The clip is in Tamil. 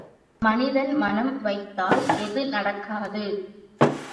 மனிதன் மனம் வைத்தால் எது நடக்காது?